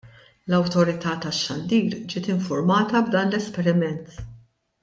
L-Awtorita' tax-Xandir ġiet infurmata b'dan l-esperiment.